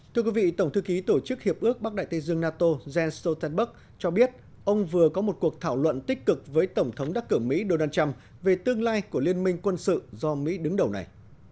thưa quý vị tổng thư ký tổ chức hiệp ước bắc đại tây dương nato jens stoltenberg cho biết ông vừa có một cuộc thảo luận tích cực với tổng thống đắc cử mỹ donald trump về tương lai của liên minh quân sự do mỹ đứng đầu này